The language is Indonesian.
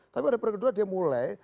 tapi pada periode kedua dia mulai